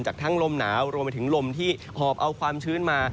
ทั้งลมหนาวรวมไปถึงลมที่หอบเอาความชื้นมา